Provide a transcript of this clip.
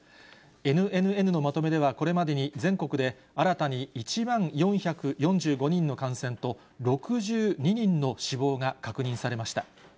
ＮＮＮのまとめでは、これまでに全国で新たに１万４４５人の感染と６２人の死亡が確認されました。